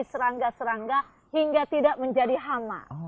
menyediakan makanan bagi serangga serangga hingga tidak menjadi hama